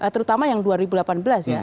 terutama yang dua ribu delapan belas ya